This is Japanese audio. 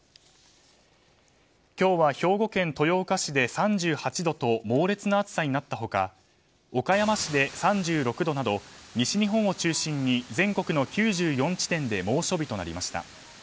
今日は兵庫県豊岡市で３８度と猛烈な暑さになった他岡山市で３６度など西日本を中心に全国の９４地点で猛暑日となりました。